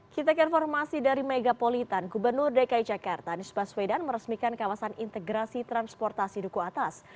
kita ke informasi dari megapolitan gubernur dki jakarta anies baswedan meresmikan kawasan integrasi transportasi duku atas